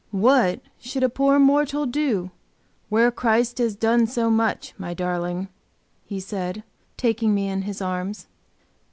"What should a poor mortal do where Christ has done so much, my darling?" he said, taking me in his arms.